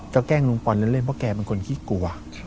ก็แกล้งลุงปอนเล่นเพราะแกเป็นคนขี้กลัว